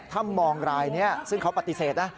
ถ้ำมองรายนี้ซึ่งเขาปฏิเสธนะ